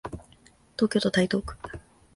東京都台東区